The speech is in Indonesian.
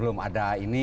belum ada ini